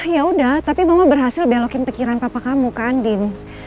yaudah tapi mama berhasil belokin pikiran papa kamu kan din